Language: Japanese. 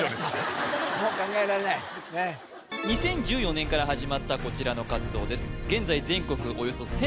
２０１４年から始まったこちらの活動です